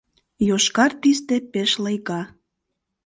Йошкар тисте пеш лыйга